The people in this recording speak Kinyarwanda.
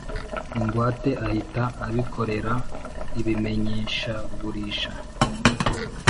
Ingwate ahita abikorera imenyeshagurisha